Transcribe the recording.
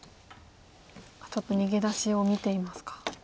ちょっと逃げ出しを見ていますか。